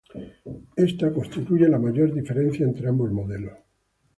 Esta constituye la mayor diferencia entre ambos modelos.